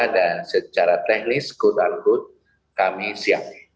dan secara teknis kode an kode kami siap